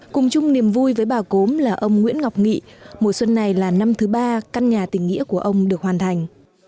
cùng chung niềm vui với bà cốm là ông nguyễn ngọc nghị mùa xuân này là năm thứ ba căn nhà tình nghĩa của ông được hoàn thành